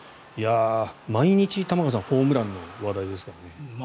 毎日、玉川さんホームラン話題ですからね。